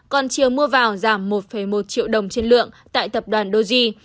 còn chiều mua vào giảm một một triệu đồng trên lượng tại tập đoàn doge